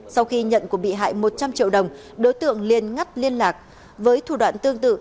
sau khi nhận của bị hại một trăm linh triệu đồng đối tượng liên ngắt liên lạc với thủ đoạn tương tự